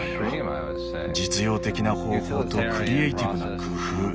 実用的な方法とクリエーティブな工夫。